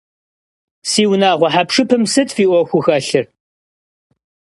Си унагъуэ хьэпшыпым сыт фи Ӏуэхуу хэлъыр?